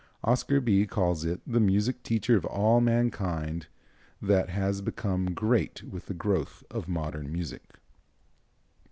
Oscar Bie calls it the music teacher of all mankind that has become great with the growth of modern music.